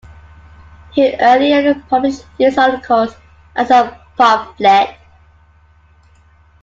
He earlier published these articles as a pamphlet.